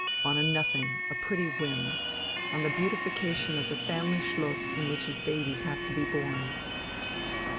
On a nothing, a pretty whim, on the beautification of the family schloss in which his babies have to be born...."